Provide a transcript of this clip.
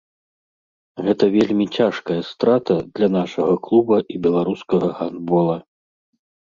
Гэта вельмі цяжкая страта для нашага клуба і беларускага гандбола.